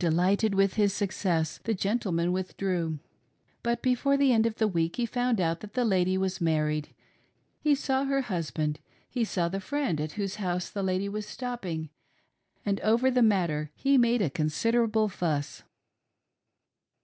Delighted with his success the gentleman withdrew ; but before the end of the week he found out that the lady was married, he saw her husband, he saw the friend at whose house the lady was stopping ; and over the matter he made a considerable fuss.